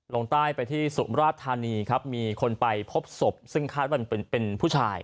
ลงใต้ไปที่สุมราชธานีครับมีคนไปพบศพซึ่งคาดว่าเป็นผู้ชาย